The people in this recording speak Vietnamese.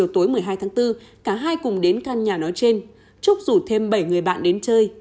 hai tháng bốn cả hai cùng đến căn nhà nói trên trúc rủ thêm bảy người bạn đến chơi